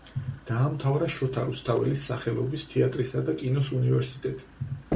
დაამთავრა შოთა რუსთაველის სახელობის თეატრისა და კინოს უნივერსიტეტი.